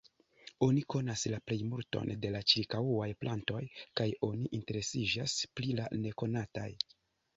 Oni konas la plejmulton de la ĉirkaŭaj plantoj kaj oni interesiĝas pri la nekonataj.